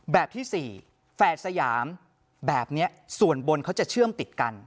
แบบที่๔แฝดสยามแบบนี้ส่วนบนเขาจะเชื่อมติดกัน